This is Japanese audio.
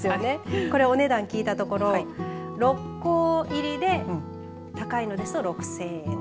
お値段聞いたところ６個入りで高いのですと６０００円。